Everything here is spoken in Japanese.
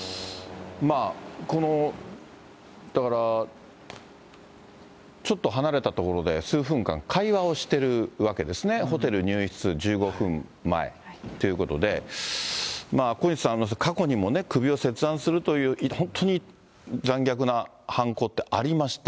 この、だから、ちょっと離れた所で、数分間会話をしているわけですね、ホテル入室１５分前ということで、小西さん、過去にも首を切断するという、本当に残虐な犯行ってありました。